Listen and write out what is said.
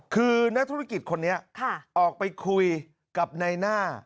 คือนักธุรกิจคนนี้ออกไปคุยกับนายหน้า